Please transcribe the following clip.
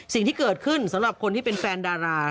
สิ่งที่เกิดขึ้นสำหรับคนที่เป็นแฟนดารา